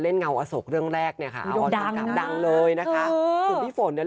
เล่นเงาอสกเรื่องแรกเนี่ยค่ะดังดังเลยนะคะคือคือพี่ฝนเนี่ย